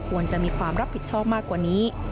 ควรจะมีความรับผิดชอบมากกว่านี้